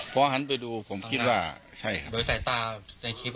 พอหันไปดูผมคิดว่าใช่ครับ